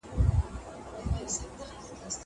زه مېوې نه راټولوم!